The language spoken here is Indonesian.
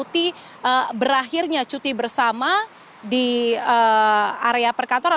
yang tadinya mengikuti berakhirnya cuti bersama di area perkantoran